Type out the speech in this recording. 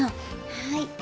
はい。